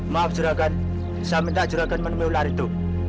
maaf juragan saya minta juragan menemui ular itu